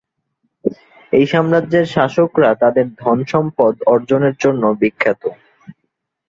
এই সাম্রাজ্যের শাসকরা তাদের ধনসম্পদ অর্জনের জন্য বিখ্যাত।